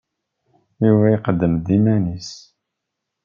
Yuba iqeddem-d iman-nnes.